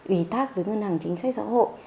ủy tác với ngân hàng chính sách xã hội